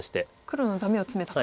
黒のダメをツメたと。